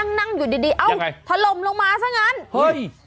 นั่งนั่งอยู่ดีดีเอ้าถล่มลงมาซะงั้นเฮ้ย